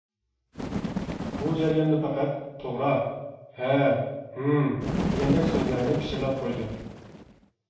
بۇ جەرياندا پەقەت «توغرا. ھە. ھىم. » دېگەندەك سۆزلەرنى پىچىرلاپ قويدى.